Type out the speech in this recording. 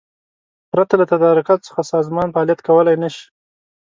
پرته له تدارکاتو څخه سازمان فعالیت کولای نشي.